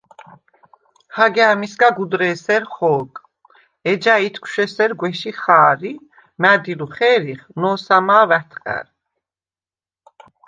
–ჰაგა̄̈მისგა გუდრ’ე̄სერ ხო̄გ, ეჯა ითქშუ̂ ესერ გუ̂ეში ხა̄რ ი მა̈დილუ ხე̄რიხ, ნო̄სამაუ̂ ა̈თყა̈რ!